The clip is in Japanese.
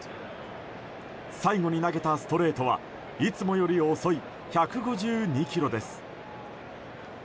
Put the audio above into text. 最後に投げたストレートはいつもより遅い１５２キロです。